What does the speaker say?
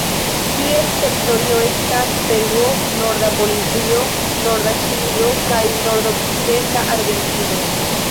Ties teritorio estas Peruo, norda Bolivio, norda Ĉilio kaj nordokcidenta Argentino.